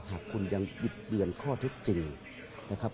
หากคุณยังบิดเบือนข้อเท็จจริงนะครับ